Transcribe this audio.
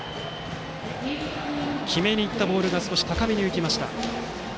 決めにいったボールが少し高めに浮きました。